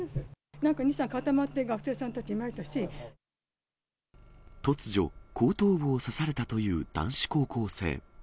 なんか２、３固まって、突如、後頭部を刺されたという男子高校生。